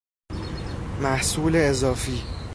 محصول اضافی